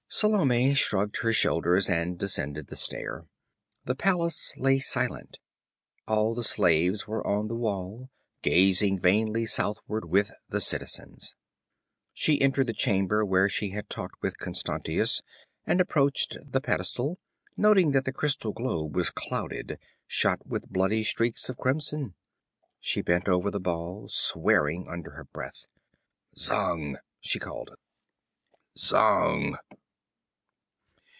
Salome shrugged her shoulders and descended the stair. The palace lay silent. All the slaves were on the wall, gazing vainly southward with the citizens. She entered the chamber where she had talked with Constantius, and approached the pedestal, noting that the crystal globe was clouded, shot with bloody streaks of crimson. She bent over the ball, swearing under her breath. 'Zang!' she called. 'Zang!'